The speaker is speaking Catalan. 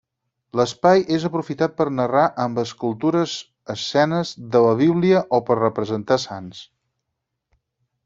L'espai és aprofitat per narrar amb escultures escenes de la bíblia o per representar sants.